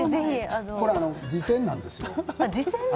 これ、自薦なんですよ